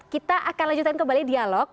kita akan lanjutkan kembali dialog